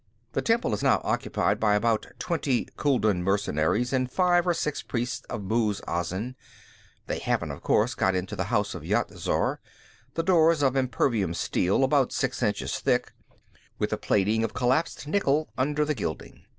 The temple is now occupied by about twenty Chuldun mercenaries and five or six priests of Muz Azin. They haven't, of course, got into the House of Yat Zar; the door's of impervium steel, about six inches thick, with a plating of collapsed nickel under the gilding.